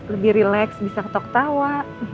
lebih relax bisa ketawa ketawa